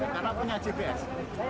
karena punya gps